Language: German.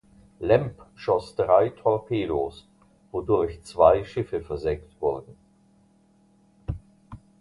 Lemp schoss drei Torpedos, wodurch zwei Schiffe versenkt wurden.